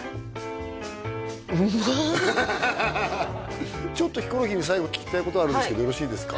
うまちょっとヒコロヒーに最後聞きたいことあるんですけどよろしいですか？